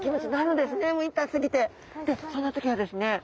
でそんな時はですね